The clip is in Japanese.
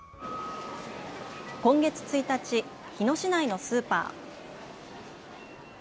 今月１日、日野市内のスーパー。